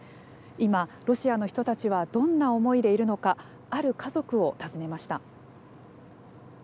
今、ロシアの人たちはどんな思いでいるのかある家族を訪ねました。